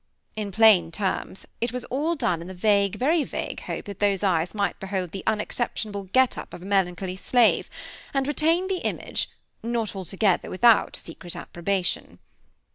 In plain terms, it was all done in the vague, very vague hope that those eyes might behold the unexceptionable get up of a melancholy slave, and retain the image, not altogether without secret approbation.